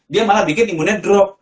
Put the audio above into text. dia malah bikin imunnya drop